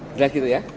sudah gitu ya